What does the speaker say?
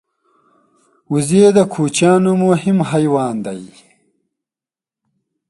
وزې د کوچیانو مهم حیوان دی